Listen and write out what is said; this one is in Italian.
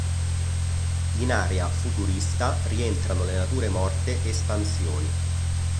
In area futurista rientrano le nature morte "Espansioni'.